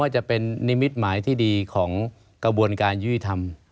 จะเป็นนิมิตไหมอามของกระบวนการยุทธรรม